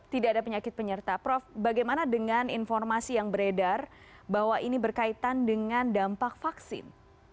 tidak ada penyakit penyerta prof bagaimana dengan informasi yang beredar bahwa ini berkaitan dengan dampak vaksin